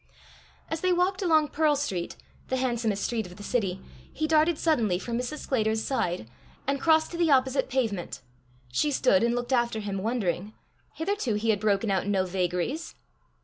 As they walked along Pearl street, the handsomest street of the city, he darted suddenly from Mrs. Sclater's side, and crossed to the opposite pavement. She stood and looked after him wondering, hitherto he had broken out in no vagaries!